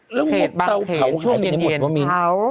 เกษตรบางเขตช่วงเย็น